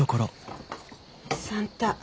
算太